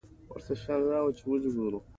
افغانستان د نفت په برخه کې نړیوال شهرت لري.